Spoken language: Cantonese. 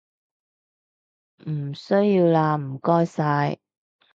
唔需要喇唔該晒